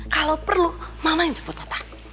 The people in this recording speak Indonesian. kalau perlu mama yang jemput papa